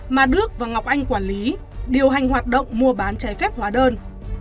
mà đức và ngọc anh quản lý điều hành hoạt động mua bán trái phép hóa đơn